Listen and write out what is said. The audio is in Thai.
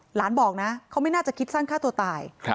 หลานบอกนะเขาไม่น่าจะคิดสั้นฆ่าตัวตาย